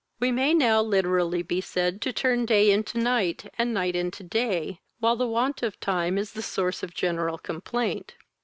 We may now literally be said to turn day into night, and night into day, while the want of time is the source of general complaint.